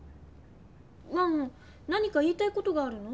ワン何か言いたいことがあるの？